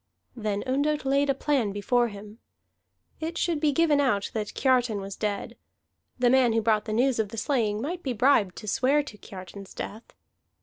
Then Ondott laid a plan before him. It should be given out that Kiartan was dead: the man who brought the news of the slaying might be bribed to swear to Kiartan's death.